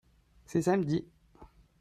c'est samedi.